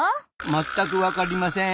まったく分かりません。